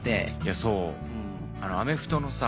そうアメフトのさ